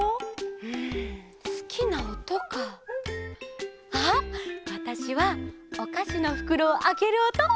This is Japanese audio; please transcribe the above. うんすきなおとか。あっわたしはおかしのふくろをあけるおと！